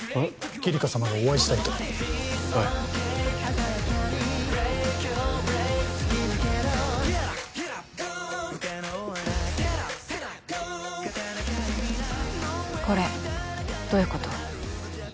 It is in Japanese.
キリカ様がお会いしたいとはいこれどういうこと？